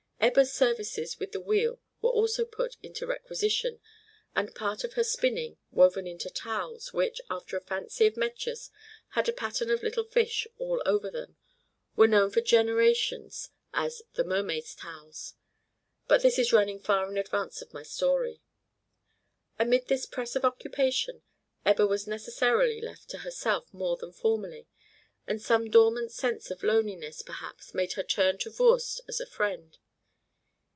Ebba's services with the wheel were also put into requisition; and part of her spinning, woven into towels, which, after a fancy of Metje's, had a pattern of little fish all over them, were known for generations as "the Mermaid's towels." But this is running far in advance of my story. Amid this press of occupation Ebba was necessarily left to herself more than formerly, and some dormant sense of loneliness, perhaps, made her turn to Voorst as a friend.